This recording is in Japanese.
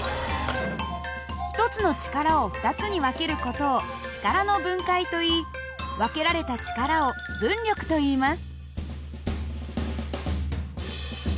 １つの力を２つに分ける事を力の分解といい分けられた力を分力といいます。